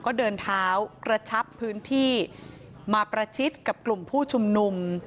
ก็เดินเท้ากระชับพื้นที่มาประชิดกับกลุ่มผู้ชุมนุม